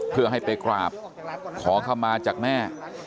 เพื่อให้ไปกราบขอเข้ามาจากแม่